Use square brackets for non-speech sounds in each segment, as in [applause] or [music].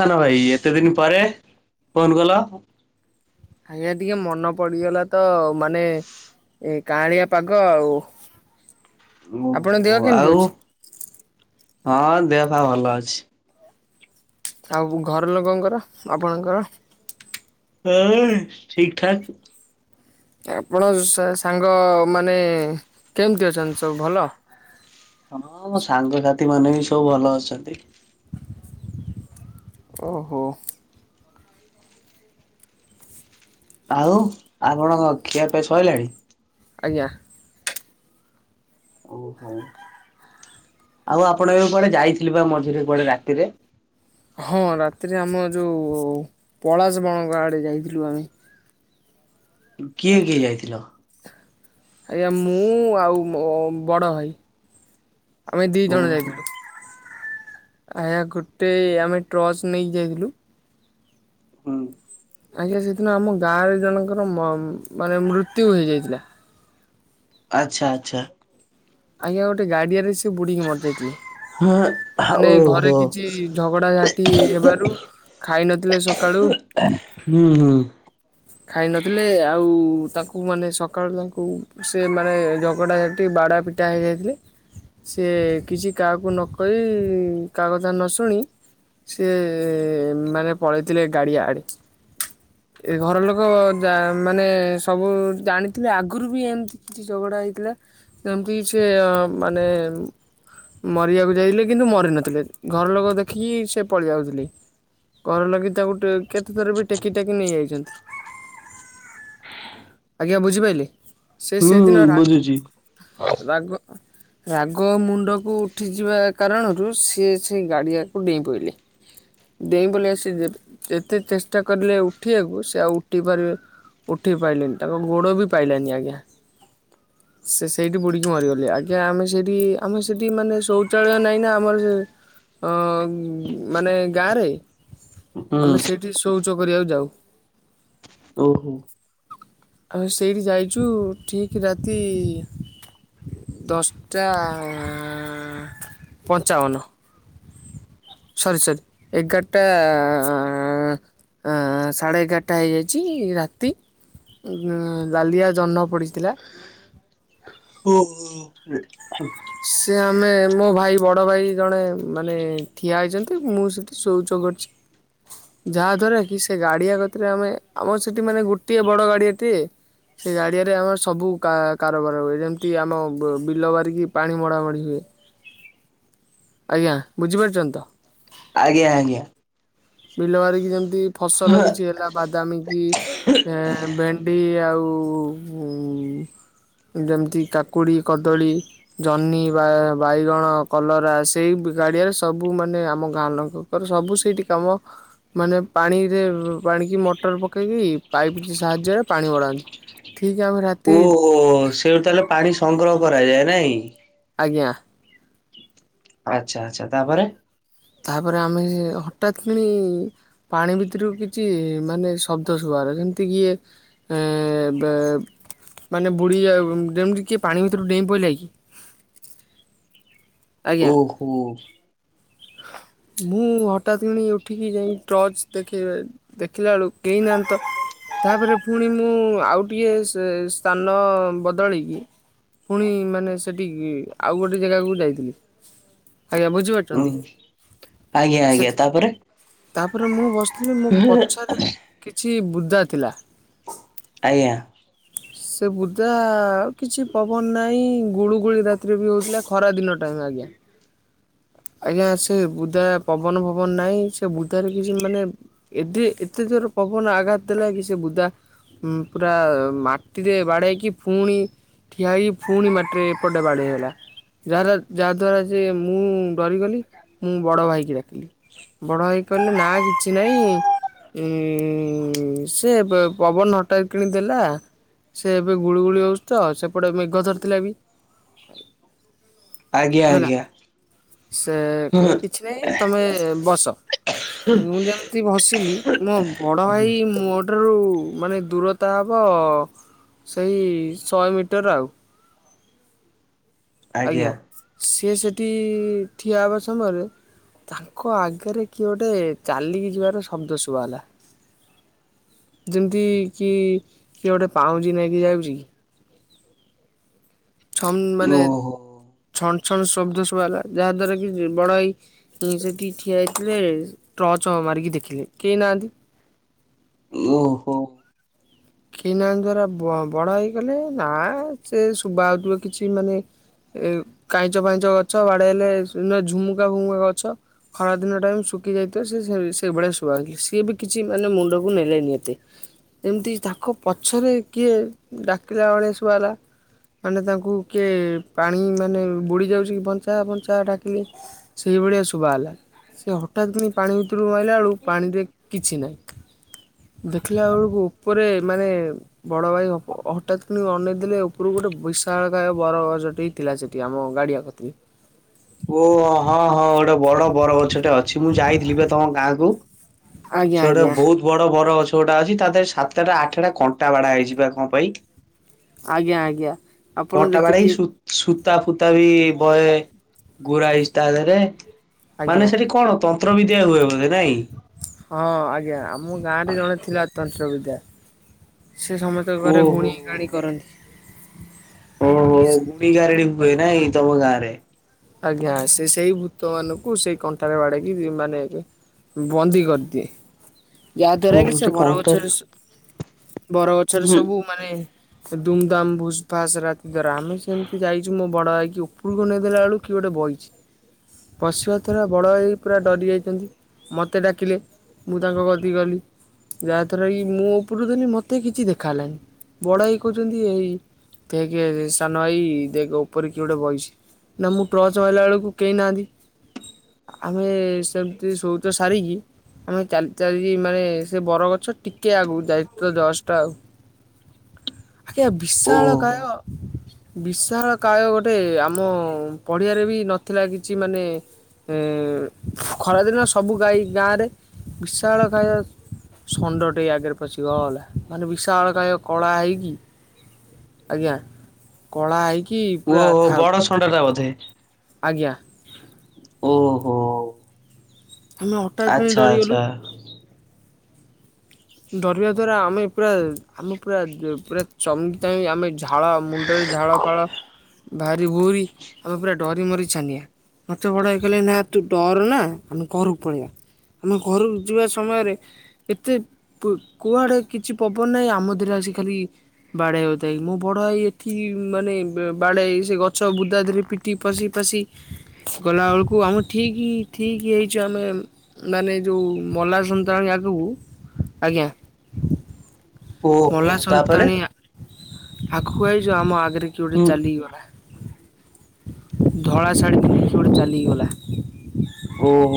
ନା ନାଭାଇ ଏତେ ଦିନ ପରେ ଫୋନ କଲ। ଆଜ୍ଞା ଟିକେ ମନେ ପଡିଗଲା ତ ମାନେ ଏଇ କାହଳିଆ ପାଗ ଆଉ। ଆପଣଙ୍କ ଦେହ ଓହୋ କେମିତି ଆଉ ଅଛି? ହଁ ଦେହ ପା ଭଲ ଅଛି। ଆଉ ଘର ଲୋକଙ୍କର ଆପଣଙ୍କର? ହଁ ଠିକ ଠାକ। ଆପଣ ସାଙ୍ଗମାନେ କେମିତି ଅଛନ୍ତି ସବୁ ଭଲ? ହଁ ମ ସାଙ୍ଗସାଥି ମାନେ ବି ସବୁ ଭଲ ଅଛନ୍ତି। ଓହୋ। ଆଉ ଆପଣଙ୍କ ଖିଆ ପିଆ ସରିଲାଣି? ଆଜ୍ଞା। ଓହୋ! ଆଉ ଆପଣ ଏବେ କୁଆଡେ ଯାଇଥିଲେ ବା ମଝିରେ କୁଆଡେ ରାତିରେ? ହଁ ରାତିରେ ଆମ ଯୋଉ ପଳାଶ ବଣଙ୍କ ଆଡେ ଯାଇଥିଲୁ ଆମେ। କିଏ କିଏ ଯାଇଥିଲ? ଆଜ୍ଞା ମୁଁ ଆଉ ବଡ଼ ଭାଇ। ଆମେ ଦି ଜଣ ଓହୋ ଯାଇଥିଲୁ। ଆଜ୍ଞା ଗୋଟେ ଆମେ ଟ୍ରଚ ନେଇକି ଯାଇଥିଲୁ। ହୁଁ। ଆଜ୍ଞା ସେଦିନ ଆମ ଗାଁରେ ଜଣଙ୍କର ମାନେ ମୃତ୍ୟୁ ହେଇଯାଇଥିଲା। ଆଚ୍ଛା ଆଚ୍ଛା। ଆଜ୍ଞା ଗୋଟେ ଗାଡ଼ିଆରେ ସେ ବୁଡି କି ମରିଯାଇଥିଲେ। ହଁ ମାନେ ଘରେ ଓହୋ କିଛି ଝଗଡାଝାଟି ହେବାରୁ ଖାଇ ନଥିଲେ ସକାଳୁ ହୁଁ ହୁଁ। ଖାଇ ନଥିଲେ ଆଉ ତାଙ୍କୁ ମାନେ ସକାଳୁ ତାଙ୍କୁ ସେ ମାନେ ଝଗଡ଼ା ଝାଟି ବାଡ଼ା ପିଟା ଟା ହେଇଯାଇଥିଲେ। ସିଏ କିଛି କାହାକୁ ନ କହି କାହା କଥା ନ ଶୁଣି ସିଏ ମାନେ ପଳେଇଥିଲେ ଗାଡିଆ ଆଡେ। ଘରଲୋକ ମାନେ ସବୁ ଜାଣିଥିଲେ ଆଗରୁ ବି ଏମିତି କିଛି ଝଗଡ଼ା ହେଇଥିଲା ଏମତି କିଛି ମାନେ ମରିବାକୁ ଯାଇଥିଲେ କିନ୍ତୁ ମରି ନଥିଲେ ଘର ଲୋକ ଦେଖିକି ସେ ପଳାଇ ଯାଉଥିଲେ। ଘର ଲୋକ ତାକୁ କେତେଥର ବି ଟେକି ଟାକି ନେଇଯାଇଛନ୍ତି। ଆଜ୍ଞା ବୁଝିପାରିଲି। ସେ ହୁଁ ସେଇଦିନ ର ବୁଝୁଛି ରାଗ ରାଗ ମୁଣ୍ଡକୁ ଉଠିଯିବା କାରଣରୁ, ସିଏ ସେ ଗାଡ଼ିଆକୁ ଡେଇଁ ପଇଲେ। ଡେଇଁ ପଡ଼ିଲେ, ଆସି ଯେତେ ଚେଷ୍ଟା କରିଲେ ଉଠିବାକୁ ସେ ଆଉ ଉଠି ପାରିବେ ଉଠି ପାରିଲେନି। ତାଙ୍କ ଗୋଡ଼ ବି ପାଇଲାନି ଆଜ୍ଞା। ସେ ସେଇଠି ବୁଡିକି ମରିଗଲେ। ଆଜ୍ଞା ଆମେ ସେଠି ଆମେ ସେଠି ମାନେ ଶୌଚାଳୟ ନାଇଁ ନା ଆମର ଅ ମାନେ ଗାଁରେ ହୁଁ ଆମେ ସେଇଠି ଶୌଚ କରିବାକୁ ଯାଉ। ଓହୋ। ଆମେ ସେଇଠି ଯାଇଚୁ ଠିକ ରାତି ଦଶଟା ପଞ୍ଚାବନ। ସରି ସରି ଏଗାରଟା ସାଢ଼େ ଏଗାରଟା ହେଇଯାଇଚି ରାତି ଲାଲିଆ ଜହ୍ନ ପଡ଼ିଥିଲା। ଓହୋ। ସେ ଆମେ ମୋ ଭାଇ ବଡ ଭାଇ ଜଣେ ମାନେ ଠିଆ ହେଇଚନ୍ତି ମୁଁ ସେଠି ଶୋଉଚ କରୁଚି ଯାହା ଦ୍ଵାରା କି ସେ ଗାଡିଆ କତିରେ ଆମେ ଆମର ସେଠି ମାନେ ଗୋଟିଏ ବଡ ଗାଡିଆଟିଏ ସେ ଗାଡିଆରେ ଆମର ସବୁ କା କାରବାର ହୁଏ, ଯେମିତି ଆମ ବିଲ ବାରିକି ପାଣି ମଡ଼ାମଡ଼ି ହୁଏ। ଆଜ୍ଞା ବୁଝିପାରୁଛନ୍ତି ତ? ଆଜ୍ଞା ଆଜ୍ଞା। ବିଲ ବାରିକି ଯେମିତି ଫସଲ କିଛି ହେଲା ବାଦାମୀ କି ଭେଣ୍ଡି ଆଉ ଯେମିତି କାକୁଡ଼ି କଦଳୀ। ଜହ୍ନି ବା ବାଇଗଣ କଲରା ସେଇ ଗାଡିଆରେ ସବୁ ମାନେ ଆମ ଗାଁ ଲୋକ ର ସବୁ ସେଇଠି କାମ ମାନେ ପାଣିରେ ପାଣିକି ମଟର ପକେଇକି ପାଇପ୍ ସାହାଯ୍ୟରେ ପାଣି ମଡ଼ା ଠିକ ସମ୍ ଓ ସେଇଠୁ ତାହେଲେ ପାଣି ସଂଗ୍ରହ କରାଯାଏ, ନାଇଁ ଆଜ୍ଞା। ଆଚ୍ଛା ଆଛା ତାପରେ ତାପରେ ଆମେ ହଠାତ୍ କିଣି ପାଣି ଭିତରକୁ କିଛି ମାନେ ଶବ୍ଦ ଶୁଭା ଗଲା ଯେମିତି କିଏ ଏବେ ମାନେ ବୁଡ଼ି ଯେମିତି କିଏ ପାଣି ଭିତରୁ ଡେଇଁ ପଡିଲା କି। ଆଜ୍ଞା। ଓହୋ। ମୁଁ ହଠାତ୍ କିଣି ଉଠିକି ଯାଇ ଟର୍ଚ ଦେଖେ ଦେଖିଲା ବେଳୁ କେହି ନାହାନ୍ତି ତ। ତାପରେ ପୁଣି ମୁଁ ଆଉ ଟିକେ ସ୍ଥାନ ସେ ବଦଳି ପୁଣି ମାନେ ସେଠି ଆଉ ଗୋଟେ ଜାଗାକୁ ଯାଇଥିଲି ଆଜ୍ଞା ବୁଝିପା ହୁଁ, ଆଜ୍ଞା ଆଜ୍ଞା ତାପରେ ତାପରେ ମୁଁ ବସିଥିଲି ମୋ ପଛରେ କିଛି ବୁଦା ଥିଲା। ଆଜ୍ଞା। ସେ ବୁଦା କିଛି ପବନ ନାହିଁ ଗୁଳୁଗୁଳି ରାତିରେ ବି ହେଉଥିଲା ଖରାଦିନ ଟାରେ ଟାଇମ୍ ଆଜ୍ଞା। ଆଜ୍ଞା ସେ ବୁଦା ପବନ ପବନ ନାହିଁ ସେ ବୁଦାରେ କିଛି ମାନେ ଏଠି ଏତେ ଜୋର ପବନ ଆଘାତ ଦେଲା କି ସେ ବୁଦା ପୁରା ମା ଟିକେ ବାଡ଼େଇ ଇକି ପୁଣି ଠିଆ ହେଇକି ପୁଣି ମାଟିରେ ଏପଟେ ବାଡ଼େଇ ହେଲା। ଯା ଯାହାଦ୍ଵାରା ଯେ ମୁଁ ଡରିଗଲି, ମୁଁ ବଡ ଭାଇକି ଡାକିଲି। ବଡ଼ ଭାଇ କହିଲେ ନା କିଛି ନାହିଁ ସେ ପବନ ହଠାତ୍ କିଣି ଦେଲା ସେ ଏବେ ଗୁଳିୁଗୁଳି ହୋଉଚି ତ ସେପଟେ ମେଘ ଧରିଥିଲା ବି ଆଜ୍ଞା ହେଲା ଆଜ୍ଞା। ସେ ହୁଁ ହୁଁ, କିଛି ନାଇଁ ତମେ ବସ। ମୁଁ ଯେମିତି ଭସିଲି ମୋ ବଡ ଭାଇ ମୋ ଠାରୁ ମାନେ ଦୂରତା ହବ ସେଇ ଶହେ ମିଟର ଆଉ। ଆଜ୍ଞା ସିଏ ସେଠି ଠିଆ ହେବା ସମୟରେ ତାଙ୍କ ଆଗରେ କିଏ ଗୋଟେ ଚାଲିକି ଯିବାର ଶବ୍ଦ ଶୁଭା ଗଲା। ଯେମିତି କି କିଏ ଗୋଟେ ପାଉଁଜି ନେଇକି ଯାଉଛି। ଛମ ମାନେ ଓହୋ ଛନ ଛନ ଶବ୍ଦ ଶୁଭାହେଲା ଯାହା ଦ୍ଵାରା କି ବଡ ଭାଇ। ହଁ ସେଠି ଠିଆ ହେଇଥିଲେ ଟର୍ଚ ମାରିକି ଦେଖିଲି କେହି ନାହାନ୍ତି। ଓହୋ। କେହି ନାହାଁନ୍ତି ଦ୍ଵାରା ବ-ବଡ ଭାଇ କହିଲେ ନା ସେ ଶୁଭା ଯାଉଥିବ କିଛି ମାନେ ଏ କାଇଁଚ ଫାଇଁଚ ଗଛ ବାଡେଇ ହେଲେ ଝୁମୁକା ଫୁମୁକା ଗଛ। ଖରାଦିନ ଟାଇମ ଶୁଖି ଯାଇଥିବ ସେ- ସେଇଭଳିଆ ଶୁଭାଯାଉ ଥିବ ସିଏ ବି କିଛି ମାନେ ମୁଣ୍ଡକୁ ନେଲେ ନିି ଏତେ ଏମ୍ତି ତାଙ୍କ ପଛରେ କିଏ ଡାକିଲା ବଳିଆ ଶୁଭାଗଲା? ମାନେ ତାଙ୍କୁ କିଏ ପାଣି ମାନେ ବୁଡ଼ି ଯାଉଛି କି ବଞ୍ଚ ତା ପଞ୍ଚା ଡାକିଲି ସେଇ ଭଳିଆ ଶୁଭାହେଲା ସେ ହଠାତ୍ ପୁଣି ପାଣି ଭିତରୁ ଆଇଲା ବେଳକୁ ପାଣିରେ କିଛି ନାହିଁ ଦେଖିଲା ବେଳକୁ ଉପରେ ମାନେ ବଡ ଭାଇ ହଠାତ କିଣି ଅନେଇ ଦେଲି ଉପରକୁ ଗୋଟେ ବିଶାଳ ଗୟ ବର ଗଛଟି। ଥିଲା ସେଠି ଆମ ଗାଡ଼ିଆ କତିକୀ ଓ ହଁ ହଁ ଗୋଟେ ବଡ ବର ଗଛଟେ ଅଛି ମୁଁ ଯାଇଥିଲି ଏ ତମ ଗାଁକୁ। ଆଜ୍ଞା ସିଏ ଗୋଟେ ଆଜ୍ଞା ବହୁତ ବଡ ବରଗଛ ଗୁଡା ଅଛି ତା ଦେରେ ସାତଟା ଆଠଟା କଣ୍ଟା ବାଡା ହେଇଚି କଣ ପାଇଁ? ଆଜ୍ଞା ଆଜ୍ଞା। ଆପଣ କଣ୍ଟା ବାଡେଇକି ଦେଖିଥିବେ ସୂ-ସୂତା ଫୁତା ବି ବଏ ଗୁରା ହେଇଛି ତା ଦେହରେ। ଆଜ୍ଞା ମାନେ ସେଠି କଣ ତନ୍ତ୍ର ବିଦ୍ୟା ହୁଏ ବୋଧେ ନାଇଁ କି? ହଁ ଆଜ୍ଞା ଆମ ଗାଁରେ ଜଣେ ଥିଲା ତନ୍ତ୍ର ବିଦ୍ୟା ସେ ସମସ୍ତେ ଘରେ ଓହୋ ଗୁଣି ଗାଣି କରନ୍ତି। ଓହୋ ଗୁଣି ଗାରେଡି ହୁଏ ନାଇ ତମ ଗାଁ ରେ। ଆଜ୍ଞା ସେ ସେଇ ଭୂତ ମାନଙ୍କୁ ସେଇ କଣ୍ଟାରେ ବାଡେଇକି ମାନେ ଏବେ ବନ୍ଦୀ କରି ଦିଏ ଯାହା ଦ୍ଵାରା ଓହୋ କି ସେ ବର କଣଟା ଗଛରେ ସୁ ବର ଗଛରେ ହୁଁ ସବୁ ମାନେ ଦୁମ ଦାମ ଭୁସ୍ ଫାସ ରାତି ସାରା ଆମେ ସେମିତି ଯାଇଛୁ ମୋ ବଡ ଭାଇକି ଉପରକୁ ଅନେଇ ଦେଲା ବେଳକୁ କି ଗୋଟେ ବଇଚି। ବସିବା ଦ୍ୱାରା ବଡ଼ ଭାଇ ପୁରା ଡରିଯାଇଛନ୍ତି ମୋତେ ଡାକିଲେ। ମୁଁ ତାଙ୍କ କତି କଲି। ଯାହାଦ୍ୱାରା କି ମୁଁ ଉପରୁ ଦେଲି ମତେ କିଛି ଦେଖା ହେଲାନି ବଡ ଭାଇ କହୁଛନ୍ତି ଏଇ ଦେକେ ସାନ ଭାଇ ଦେ ଉପରେ କିଏ ଗୋଟେ ବହିଛି ନା ମୁଁ ଟର୍ଚ୍ଚ ମାଇଲା ବେଳକୁ କେହି ନାହାନ୍ତି ଆମେ ସେମିତି ଶଉଚ ସାରିକି ଆମେ ଚାଲି ଚାଲି ମାନେ ସେ ବରଗଛ ଟିକେ ଆଗକୁ ଦାୟିତ୍ୱ ଦଷ୍ଟ ଆଉ। [inaudible] ଆଜ୍ଞା ଓହୋ ବିଶାଳକାୟ ବିଶାଳକାୟ ଗୋଟେ ଆମ ପଢ଼ିଆରେ ବି ନଥିଲା କିଛି ମାନେ ଉଁ ଖରାଦିନ ସବୁ ଗାଈ ଗାଁରେ ବିଶାଳ କାୟ ଷଣ୍ଡଟେ ଆଗରେ ପସିଗଲା ମାନେ ବିଶାଳ କାୟ କଳା ହେଇକି। ଆଜ୍ଞା କଳା ହେଇକି ପୁରା ଥା ଥଣ୍ଡାଟା ବୋଧେ। ଆଜ୍ଞା। ଓହୋ! ହାଲୋ। ଆଚ୍ଛା ଆଚ୍ଛା। ଡରିବା ଦ୍ଵାରା ଆମେ ପୁରା ଆମେ ପୁରା ପୁରା ଚମି ଟାଇମ ଆମେ ଝାଳ ମୁଣ୍ଡରେ ଝାଳ ଫାଳ ଭାରି ଭୁରି ଆମେ ପୁରା ଡରି ମରି ଛାନିଆ। ମତେ ବଡ ଭାଇ କହିଲେ ନା ତୁ ଡର ନା ଆମେ ଘରକୁ ପଳେଇବା।। ଆମେ ଘରକୁ ଯିବା ସମୟରେ ଏତେ କୁ କୁଆଡେ କିଛି ପବନ ନାହିଁ ଆମ ଦେହରେ ଆସି ଖାଲି ବାଡେଇ ହଉଥାଏ। ମୋ ବଡ ଭାଇ ଏଠି ମାନେ ବ-ବାଡେଇ ସେ ଗଛ ବୁଦା ଧିରେ ପି ଟି ପଶି ପାଶି ଗଲାବେଳକୁ ଆମେ ଠିକ୍ ଠିକ୍ ହେଇଛୁ ଆମେ ମାନେ ଯୋଉ ମଲା ସନ୍ତା ନି ଆଗକୁ ଆଜ୍ଞା। ଓହୋ ମଲା ତାପରେ ସନ୍ନ୍ତାନୀଆ ଆଗୁକୁ ଆଇଚ ଆମ ଆଗରେ କିଏ ଗୋଟେ ହୁଁ ଚାଲିକି ଗଲା। ଧଳା ଶାଢ଼ୀ ପିନ୍ଧିକି କିଏ ଗୋଟେ ଚାଲିକି ଗଲା।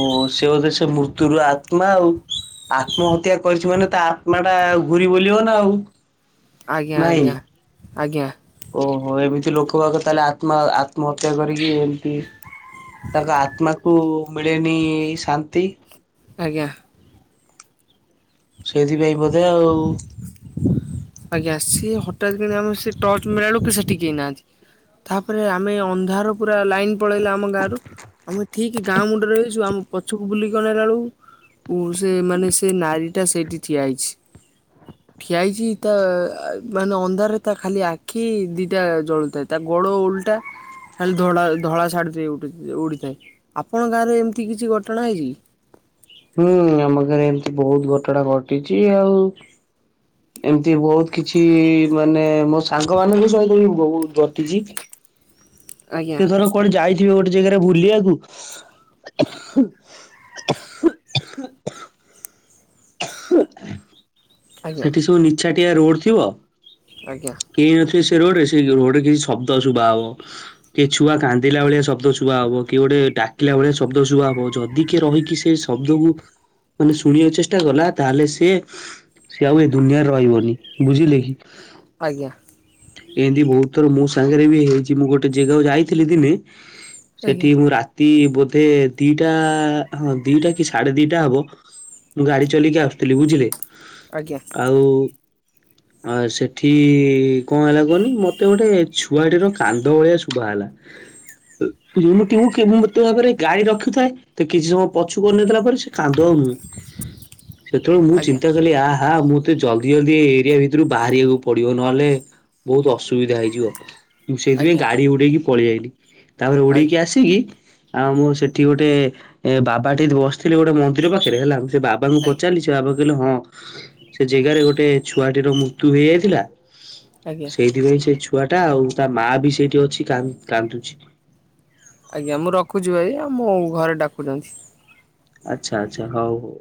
ଓ ସେ ବୋଧେ ସେ ମୃତ୍ୟୁର ଆତ୍ମା ଆଉ। ଆତ୍ମହତ୍ୟା କରିଛି ମାନେ ତା ଆତ୍ମାଟା ଘୁରିବୁଲିବ ନା ଆଉ। ଆଜ୍ଞା, ନାଇଁ। ଆଜ୍ଞା, ଆଜ୍ଞା। ଓହୋ! ଏମତି ଲୋକ ବାକ ତାହେଲେ ଆତ୍ମା ଆତ୍ମହତ୍ୟା କରିକି ଏମତି ତାଙ୍କ ଆତ୍ମାକୁ ମିଳେନି ଶାନ୍ତି। ଆଜ୍ଞା। ସେଇଥିପାଇଁ ବୋଧେ ଆଉ। ଆଜ୍ଞା ସିଏ ହଟାତ୍ କିଣା ଆମ ସେ ଟର୍ଚ ମାଇଲାବେଳୁକୁ ଫେର ସେଠି କିଏ ନାହାନ୍ତି। ତାପରେ ଆମେ ଅନ୍ଧାର ପୁରା ଲାଇନ୍ ପଳେଇଲା ଆମ ଗାଁରୁ। ଆମେ ଠିକ ଗାଁ ମୁଣ୍ଡରେ ହେଇଛୁ ଆମ ପଛକୁ ବୁଲିକି ଅନେଇଲାବେଳୁ ଉ, ସେ ମାନେ ସେ ନାରୀ ଟା ସେଇଠି ଠିଆ ହେଇଛି। ଠିଆ ହେଇଛି ତା ମାନେ ଅନ୍ଧାରରେ ତା ଖାଲି ଆଖି ଦିଟା ଜଳୁଥାଏ, ତା ଗୋଡ଼ ଓଲଟା ଖାଲି ଧଡା ଧଳା ଶାଢୀଟି ଉଠି ଉଡିଥାଏ। ଆପଣଙ୍କ ଗାଁ ରେ ଏମତି କିଛି ଘଟଣା ହେଇଚି କି? ହୁଁ, ଆମ ଘରେ ଏମତି ବହୁତ ଘଟଣାା ଘଟିଚି ଆଉ। ଏମତି ବହୁତ କିଛି ମାନେ ମୋ ସାଙ୍ଗମାନଙ୍କ ସହିତ ବି ବହୁତ ଘଟିଚି। ଆଜ୍ଞା। ସିଏ ଧର କୁଆଡେ ଯାଇଥିବେ ଗୋଟେ ଜେଗାରେ ବୁଲିବାକୁ ଆଜ୍ଞା ସେଠି ସବୁ ନିଛାଟିଆ ରୋଡ୍ ଥିବ। ଆଜ୍ଞା। କେଇ ନଥିବେ ସେ ରୋଡ୍ ରେ ସେ ଯୋଉ ରୋଡ୍ ରେ କିଛି ଶବ୍ଦ ଶୁବା ହବ। କିଏ ଛୁଆ କାନ୍ଦିଲା ଭଳିଆ ଶବ୍ଦ ଶୁବା ହବ। କିଏ ଗୋଟେ ଡାକିଲା ଭଳିଆ ଶବ୍ଦ ଶୁବା ହବ। ଯଦି କିଏ ରହିକି ସେ ଶ ଶବ୍ଦକୁ ମାନେ ଶୁଣିବାକୁ ଚେଷ୍ଟା କଲା ତାହେଲେ ସିଏ ସିଏ ଆଉ ଏ ଦୁନିଆରେ ରହିବନି ବୁଝିଲେ କି। ଆଜ୍ଞା। ଏମତି ବହୁତ ଥର ମୋ ସାଙ୍ଗରେ ବି ହେଇଚି। ମୁଁ ଗୋଟେ ଜେଗାକୁ ଯାଇଥିଲି ଦିନେ ସେଠି ଆଜ୍ଞା ମୁଁ ରାତି ବୋଧେ ଦିଟା ହଁ ଦିଟା କି ସାଢେ ଦିଟା ହବ ମୁଁ ଗାଡି ଚଲେଇକି ଆସୁଥିଲି ବୁଝିଲେ। ଆଜ୍ଞା। ଆଉ ଆ, ସେଠି କଣ ହେଲା କୁହନି ମୋତେ ଗୋଟେ ଛୁଆଟିର କାନ୍ଧ ଭଳିଆ ଶୁଭା ହେଲା। କିମୁତିଉ କେମିତି ମୋତେ ଭାବରେ ଗାଇ ରଖୁଥାଏ ତ କିଛି ସମୟ ପଛୁକୁ ଅନେଇଦେଲା ପରେ ସେ କାନ୍ଦ ଆଉ ନୁ। ସେତେବେଳୁ ମୁଁ ଆଜ୍ଞା ଚିନ୍ତା ଆଜ୍ଞା କଲି ଆହା ମୁ ତେ ଜଲଦି ଜଲଦି ଏରିଆ ଭିତରୁ ବାହାରିବାକୁ ପଡିବ ନହେଲେ ବହୁତ ଅସୁବିଧା ହେଇଯିବ। ମୁଁ ସେଇଥିପାଇଁ ଆଜ୍ଞା ଗାଡି ହୁଡେଇକି ପଳି ଆଇଲିି। ତାପରେ ଉଡିକି ଆଜ୍ଞା ଆସିକି ଆଉ ମୁଁ ସେଠି ଗୋଟେ ଏ ଏ ବାବା ଟେ ଏମତି ବସିଥିଲେ ଗୋଟେ ମନ୍ଦିର ପାଖରେ ହେଲା ମୁଁ ସେ ବାବାଙ୍କୁ ପଚାରିଲି ସେ ସେ ବାବା କହିଲେ ହଁ ସେ ଜେଗାରେ ଗୋଟେ ଛୁଆଟିର ମୃତ୍ୟୁ ହେଇଯାଇଥିଲା। ଆଜ୍ଞା ସେଇଥିପାଇଁ ସେ ଛୁଆଟା ଆଉ ତା ମା ବି ସେଇଠି ଅଛି କାନ୍ କାନ୍ଦୁଛି। ଆଜ୍ଞା ମୁଁ ରଖୁଛୁ ଭାଇ ଆଉ ମୋ ଘରେ ଡାକୁଚନ୍ତି। ଆଚ୍ଛା, ଆଚ୍ଛା, ହଉ ହଉ।